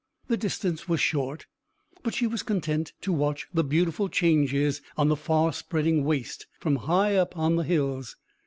The distance was short, but she was content to watch the beautiful changes on the far spreading waste from high up on the hills.